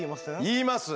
言います。